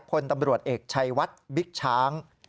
พลตำรวจเอกชัยวัดบิ๊กช้าง